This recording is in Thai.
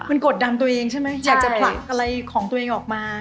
มันกดดันตัวเองใช่ไหมอยากจะผลักอะไรของตัวเองออกมา